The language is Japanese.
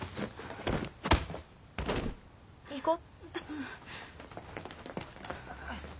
行こう。